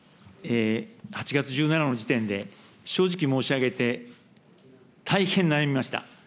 ８月１７の時点で、正直申し上げて、大変悩みました。